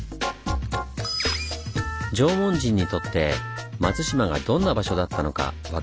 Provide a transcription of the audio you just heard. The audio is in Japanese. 縄文人にとって松島がどんな場所だったのか分かるんです。